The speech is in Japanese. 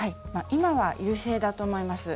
今は優勢だと思います。